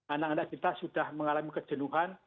anak anak kita sudah mengalami kejenuhan